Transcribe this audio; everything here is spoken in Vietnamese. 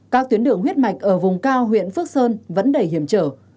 các tuyến đường huyết mạch ở vùng cao huyện phước sơn vẫn đầy hiểm trở